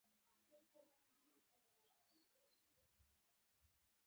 د شاتو مچیو فارمونه ګټور دي